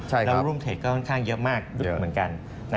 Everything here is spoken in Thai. และรุ่นเท็จก็ก็ห่อนข้างเยอะมากเหมือนกัน